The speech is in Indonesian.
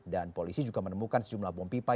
dan polisi juga menemukan sejumlah bom pipa